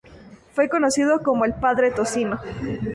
Fue conocido como el ""Padre Tocino"".